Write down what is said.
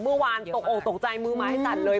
เมื่อวานตกออกตกใจมือไม้สั่นเลย